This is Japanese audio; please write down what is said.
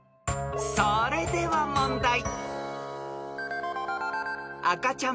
［それでは問題］